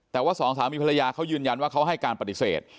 แต่ว่าสองสามีภรรยาเขายืนยันว่าเขาให้การปฏิเสธ